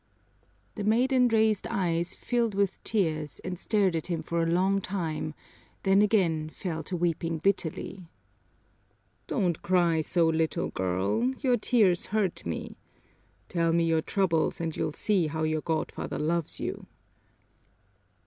The maiden raised eyes filled with tears and stared at him for a long time, then again fell to weeping bitterly. "Don't cry so, little girl. Your tears hurt me. Tell me your troubles, and you'll see how your godfather loves you!"